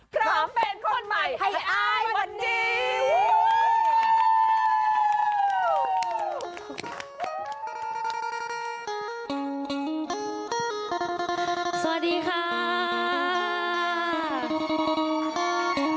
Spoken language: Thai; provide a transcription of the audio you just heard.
พร้อมเป็นคนใหม่ให้อายวันนี้